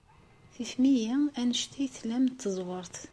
Tifem-iyi anect ay tlam n teẓwert.